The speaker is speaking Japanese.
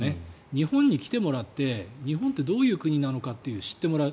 日本に来てもらって日本ってどういう国なのかを知ってもらう。